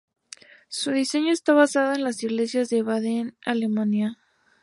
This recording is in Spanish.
Su diseño está basado en las iglesias de Baden-Wurtemberg, Alemania.